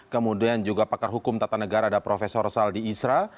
kemudian juga pakar hukum tata negara ada prof saldi isra